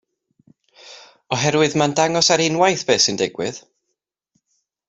Oherwydd mae'n dangos ar unwaith beth syn digwydd.